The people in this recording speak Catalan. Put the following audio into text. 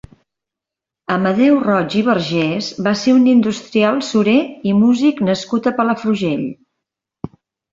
Amadeu Roig i Vergés va ser un industrial surer i músic nascut a Palafrugell.